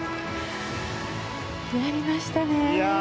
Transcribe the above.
やりましたね。